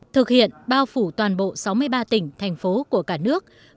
thực hiện bao phủ toàn bộ sáu mươi ba tỉnh thành phố của cả nước